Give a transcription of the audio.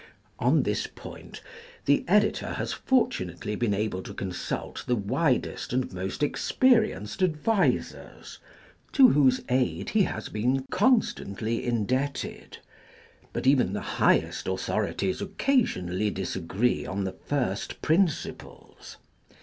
On this point the editor has fortunately been able to consult the wisest and most experienced advisers, to whose aid he has been constantly indebted ; but even the highest authorities occasionally disagree on the first princi ples.